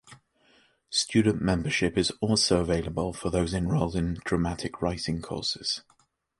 Student membership is also available for those enrolled in dramatic writing courses.